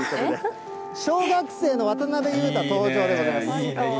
小学生の渡辺裕太登場でございます。